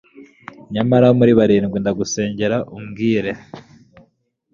nyamara muri barindwi! ndagusengera ubwire